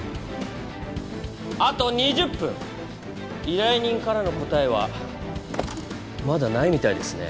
あと２０分依頼人からの答えはまだないみたいですね